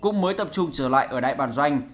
cũng mới tập trung trở lại ở đại bản doanh